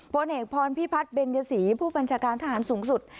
พลเอกพรพิพัฒน์เบญยศรีผู้บัญชาการทหารสูงสุด